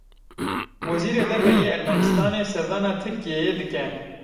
Wezîrê Derve yê Ermenistanê serdana Tirkiyeyê dike.